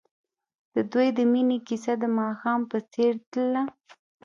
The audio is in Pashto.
د دوی د مینې کیسه د ماښام په څېر تلله.